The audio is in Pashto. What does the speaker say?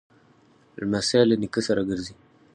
لمسی له نیکه سره ګرځي.